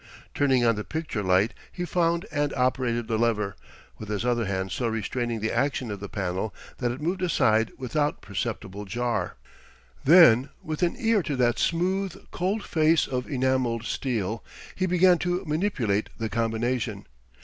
Turning on the picture light he found and operated the lever, with his other hand so restraining the action of the panel that it moved aside without perceptible jar. Then with an ear to that smooth, cold face of enamelled steel, he began to manipulate the combination.